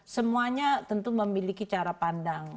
semuanya tentu memiliki cara pandang